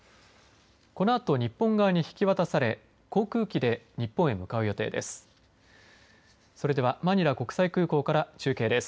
このあと、日本側に引き渡され航空機で日本へ向かう予定です。